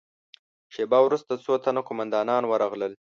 شېبه وروسته څو تنه قوماندانان ورغلل.